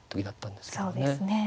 そうですね。